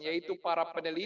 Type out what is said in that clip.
yaitu para peneliti